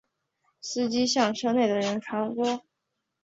司机向车内的人广播